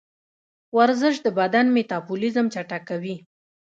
ورزش د بدن میتابولیزم چټکوي.